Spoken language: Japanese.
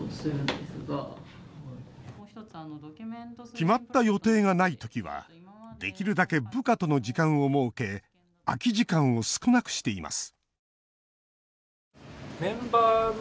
決まった予定がない時はできるだけ部下との時間を設け空き時間を少なくしています